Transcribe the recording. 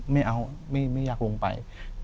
ไม่เอาไม่อยากลงไป